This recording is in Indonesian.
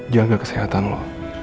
jaga kesehatan lo